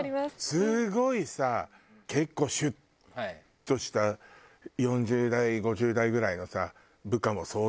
すごいさ結構シュッとした４０代５０代ぐらいのさ部下も相当いるような人がさ